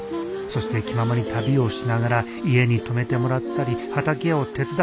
そして気ままに旅をしながら家に泊めてもらったり畑を手伝ったりしよう。